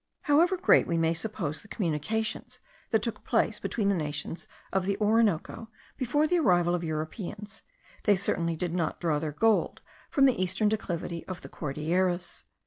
However great we may suppose the communications that took place between the nations of the Orinoco before the arrival of Europeans, they certainly did not draw their gold from the eastern declivity of the Cordilleras.